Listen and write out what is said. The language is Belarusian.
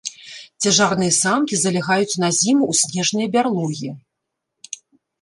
Цяжарныя самкі залягаюць на зіму ў снежныя бярлогі.